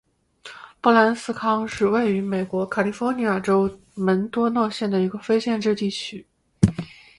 布兰斯康是位于美国加利福尼亚州门多西诺县的一个非建制地区。